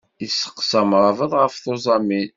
Yestaqsa amṛabeḍ ɣef tuẓamin.